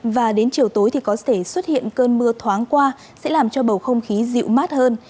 và đến chiều tối thì có thể xuất hiện cơn mưa thoáng qua sẽ làm cho bầu không khí dịu mát hơn